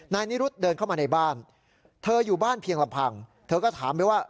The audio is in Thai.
นายนิรุธเดินเข้ามาในบ้านเธออยู่บ้านเพียงลำพังเธอก็ถามไปว่า